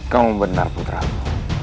kamu benar putraku